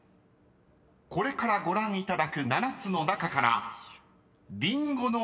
［これからご覧いただく７つの中から］